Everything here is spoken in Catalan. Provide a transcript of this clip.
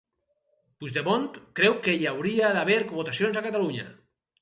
Puigdemont creu que hi hauria d'haver votacions a Catalunya